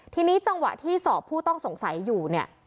ทีนี้จังหวะที่สอบผู้ต้องสงสัยอยู่เนี่ย